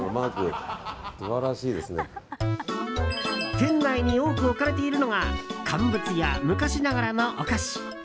店内に多く置かれているのが乾物や昔ながらのお菓子。